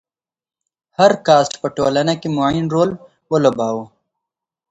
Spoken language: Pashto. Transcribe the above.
هر کاسټ په ټولنه کې معین رول ولوباوه.